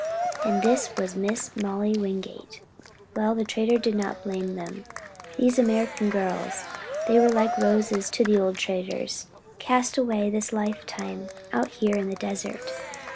And this was Miss Molly Wingate? Well, the trader did not blame them! These American girls! They were like roses to the old traders, cast away this lifetime out here in the desert.